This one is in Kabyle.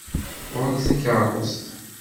Ɣur-k takeṛṛust!